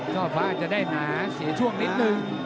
ฟ้าอาจจะได้หนาเสียช่วงนิดนึง